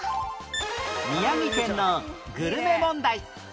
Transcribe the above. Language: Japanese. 宮城県のグルメ問題